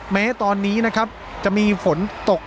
แม้ตอนนี้นะครับจะมีฝนตก